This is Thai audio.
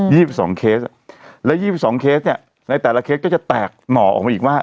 ี่สิบสองเคสและยี่สิบสองเคสเนี้ยในแต่ละเคสก็จะแตกหน่อออกมาอีกว่า